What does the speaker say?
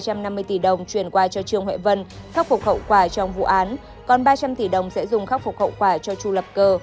còn ba trăm linh tỷ đồng sẽ dùng khắc phục hậu quả cho chu lập cơ